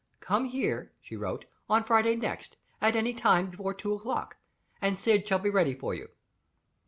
"Come here," she wrote, "on Friday next, at any time before two o'clock, and Syd shall be ready for you.